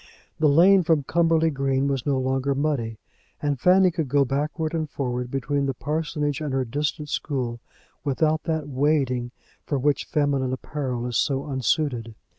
The lane from Cumberly Green was no longer muddy, and Fanny could go backwards and forwards between the parsonage and her distant school without that wading for which feminine apparel is so unsuited.